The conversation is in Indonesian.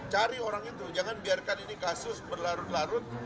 cari orang itu jangan biarkan ini kasus berlarut larut